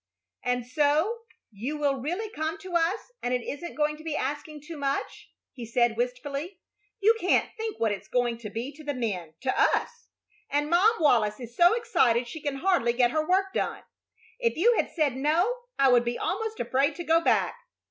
"And so you will really come to us, and it isn't going to be asking too much?" he said, wistfully. "You can't think what it's going to be to the men to us! And Mom Wallis is so excited she can hardly get her work done. If you had said no I would be almost afraid to go back."